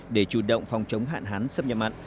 để chủ động phòng chống hạn hán xâm nhập mặn